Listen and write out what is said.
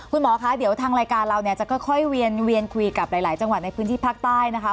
คุณหมอคะเดี๋ยวทางรายการเราเนี่ยจะค่อยเวียนคุยกับหลายจังหวัดในพื้นที่ภาคใต้นะคะ